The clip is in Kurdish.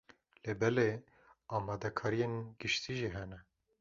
Lê belê, amadekariyên giştî jî hene.